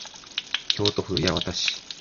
京都府八幡市